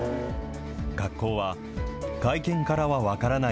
学校は外見からは分からない